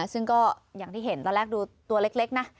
ซึ่งก็อย่างที่เห็นตอนแรกดูตัวเล็กนะ